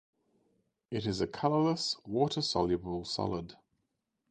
It is a colorless, water-soluble solid.